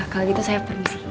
kalau gitu saya permisi